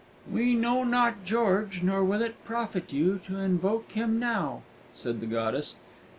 "We know not George, nor will it profit you to invoke him now," said the goddess.